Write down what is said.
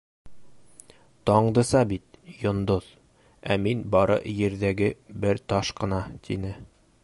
Таңдыса бит - йондоҙ, ә мин бары ерҙәге бер таш ҡына, тине.